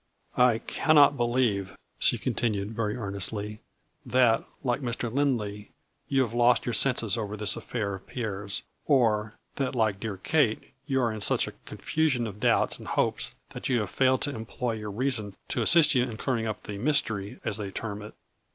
" I cannot believe/' she continued, very ear nestly, " that, like Mr. Lind ley, you have lost your senses over this affair of Pierre's, or, that like dear Kate you are in such a confusion of doubts and hopes that you have failed to em ploy your reason to assist you in clearing up the mystery, as they term it.